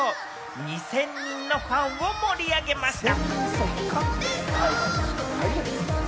２０００人のファンを盛り上げました。